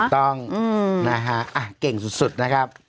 ต้องนะฮะเก่งสุดนะครับ